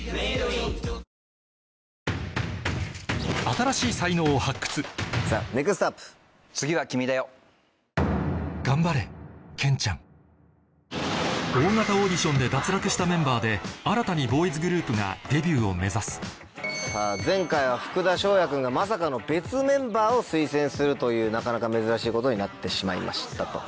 新しい才能を発掘大型オーディションで脱落したメンバーで新たにボーイズグループがデビューを目指す前回は福田翔也君がまさかの別メンバーを推薦するというなかなか珍しいことになってしまいましたと。